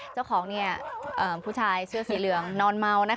เจ้าของผู้ชายเสื้อสีเหลืองนอนเมา